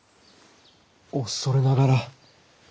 お恐れながら！